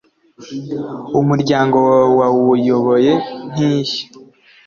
Umuryango wawe wawuyoboye nk’ishyo